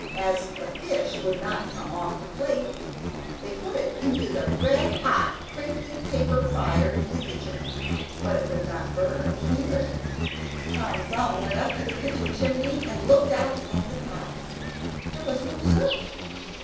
As the fish would not come off the plate, they put it into the red hot crinkly paper fire in the kitchen; but it would not burn either. Tom Thumb went up the kitchen chimney and looked out at the top there was no soot.